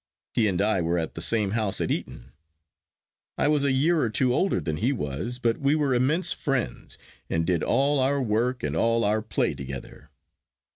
He and I were at the same house at Eton. I was a year or two older than he was, but we were immense friends, and did all our work and all our play together.